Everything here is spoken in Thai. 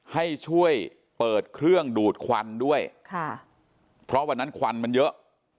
ให้ช่วยเปิดเครื่องดูดควันด้วยค่ะเพราะวันนั้นควันมันเยอะ